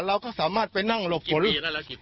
เราก็สามารถไปนั่งหลบหลบ